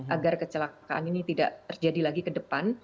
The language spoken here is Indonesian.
agar kecelakaan ini tidak terjadi lagi ke depan